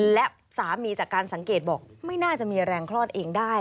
และสามีจากการสังเกตบอกไม่น่าจะมีแรงคลอดเองได้